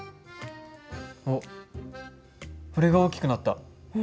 おっ振れが大きくなった。